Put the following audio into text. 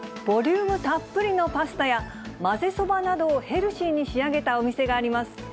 ボリュームたっぷりのパスタや、まぜそばなどをヘルシーに仕上げたお店があります。